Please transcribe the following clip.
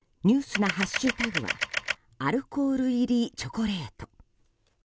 ニュースなハッシュタグは「＃アルコール入りチョコレート」。